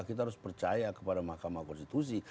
kita harus percaya kepada mahkamah konstitusi